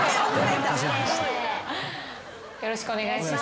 よろしくお願いします。